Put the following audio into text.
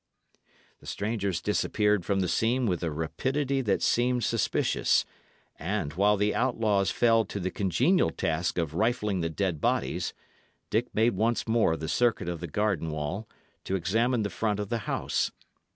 The strangers disappeared from the scene with a rapidity that seemed suspicious; and, while the outlaws fell to the congenial task of rifling the dead bodies, Dick made once more the circuit of the garden wall to examine the front of the house.